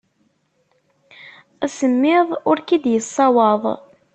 Asemmiḍ ur k-id-yeṣṣawaḍ.